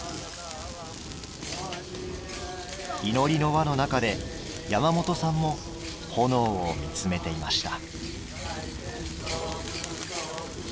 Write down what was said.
祈りの輪の中で山本さんも炎を見つめていました。